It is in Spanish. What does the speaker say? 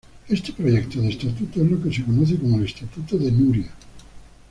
Este proyecto de Estatuto es lo que se conoce como el Estatuto de Núria.